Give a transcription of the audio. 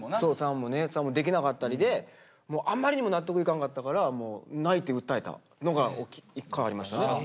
ツアーもできなかったりであんまりにも納得いかんかったから泣いて訴えたのが一回ありましたね。